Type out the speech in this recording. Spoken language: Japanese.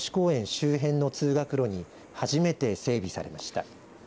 周辺の通学路に初めて整備されました。